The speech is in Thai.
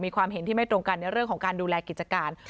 ความเห็นที่ไม่ตรงกันในเรื่องของการดูแลกิจการ